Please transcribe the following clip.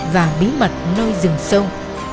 và bí mật nơi rừng sâu